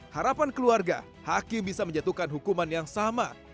harapan keluarga hakim bisa menjatuhkan hukuman yang sama